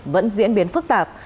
vẫn diễn biến phức tạp